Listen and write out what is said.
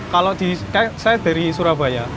kalau saya dari surabaya